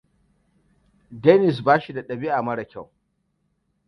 Dennis bashi da ɗabi'a mara kyau.